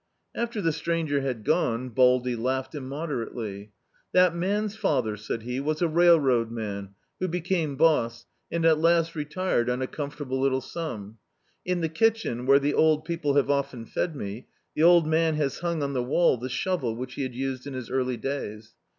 After the stranger had gone Baldy laughed im moderately. 'That man's father," said he, "was a railroad man, who became boss, and at last re tired on a comfortable little sum. In the kitdien, where the old people have often fed me, the old man has hung on the wall the shovel which he had used in his early days.